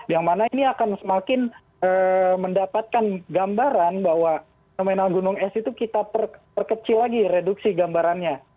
yang mana ini akan semakin mendapatkan gambaran bahwa nominal gunung es itu kita perkecil lagi reduksi gambarannya